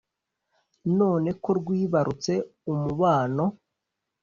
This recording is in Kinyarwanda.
none ko rwibarutse umubano